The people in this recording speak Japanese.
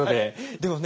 でもね